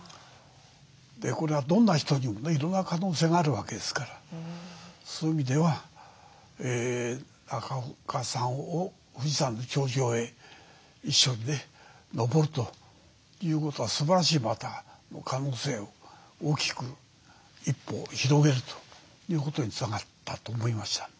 これはどんな人にもねいろんな可能性があるわけですからそういう意味では中岡さんを富士山の頂上へ一緒にね登るということはすばらしいまた可能性を大きく一歩を広げるということにつながったと思いました。